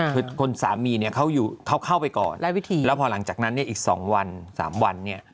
คิดคนสามีเขาเข้าไปก่อนแล้วพอหลังจากนั้นอีกสองวัน๓วัน